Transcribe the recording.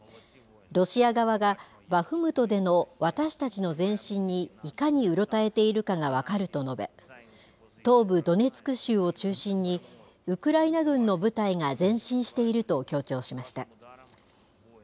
ロシア側がバフムトでの私たちの前進にいかにうろたえているかが分かると述べ、東部ドネツク州を中心に、ウクライナ軍の部隊が前進していると強調しました。